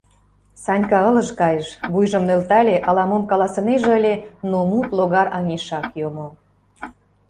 Санька ылыж кайыш, вуйжым нӧлтале, ала-мом каласынеже ыле, но мут логар аҥешак йомо.